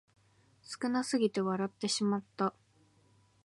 少なすぎて笑ってしまった